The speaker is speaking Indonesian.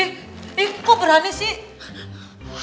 ih ih kok berani sih